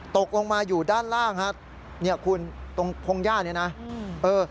ตกลงมาอยู่ด้านล่างฮะเนี่ยคุณตรงพงหญ้าเนี่ยนะเออ